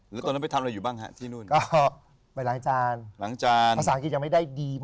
แล้วตอนนั้นไปทำอะไรอยู่บ้างที่นู่น